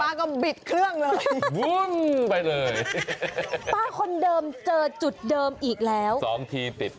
บิดเครื่องเลยวุ่นไปเลยป้าคนเดิมเจอจุดเดิมอีกแล้วสองทีติด